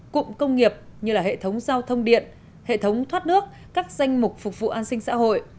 cụm công nghiệp như hệ thống giao thông điện hệ thống thoát nước các danh mục phục vụ an sinh xã hội